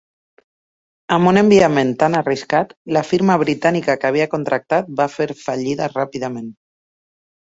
Amb un enviament tan arriscat, la firma britànica que havia contractat va fer fallida ràpidament.